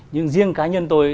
nhưng riêng cá nhân tôi